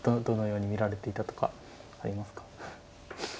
どのように見られていたとかありますか。